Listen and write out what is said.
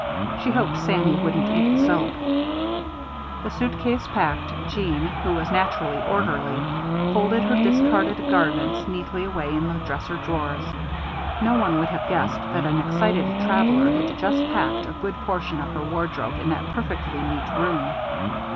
She hoped Sammy wouldn't eat the soap. The suitcase packed, Jeanne, who was naturally orderly, folded her discarded garments neatly away in the dresser drawers. No one would have guessed that an excited traveler had just packed a good portion of her wardrobe in that perfectly neat room.